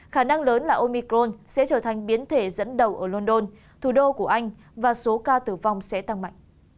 khả năng lớn là omicron sẽ trở thành biến thể dẫn đầu ở london thủ đô của anh và số ca tử vong sẽ tăng mạnh